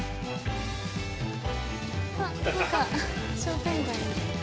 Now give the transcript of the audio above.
あっ何か商店街みたい。